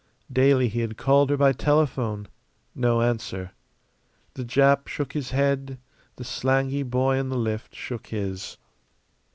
Daily he had called her by telephone; no answer. The Jap shook his head; the slangy boy in the lift shook his.